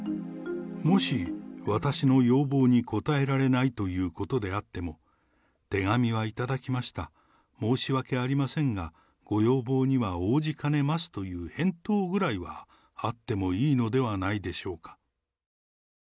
もし私の要望に応えられないということであっても、手紙は頂きました、申し訳ありませんがご要望には応じかねますという返答ぐらいはあってもいいのではないでしょうか。